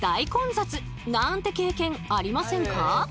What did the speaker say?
皆さんもなんて経験ありませんか？